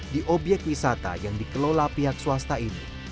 di obyek wisata yang dikelola pihak swasta ini